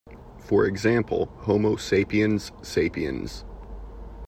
For example: "Homo sapiens sapiens".